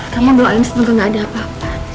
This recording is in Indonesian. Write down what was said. kamu bawa alin sebetulnya gak ada apa apa